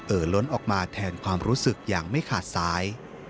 ล้นออกมาแทนความรู้สึกอย่างไม่ขาดสาย